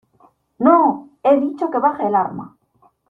¡ no! he dicho que baje el arma.